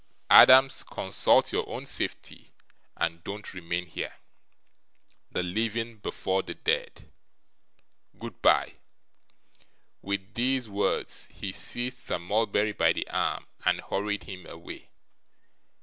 Adams, consult your own safety, and don't remain here; the living before the dead; goodbye!' With these words, he seized Sir Mulberry by the arm, and hurried him away.